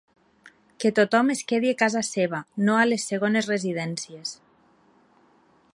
Que tothom es quedi a casa seva, no a les segones residències.